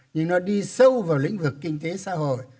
nhưng nó đi sâu vào lĩnh vực kinh tế xã hội